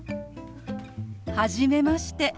はじめまして。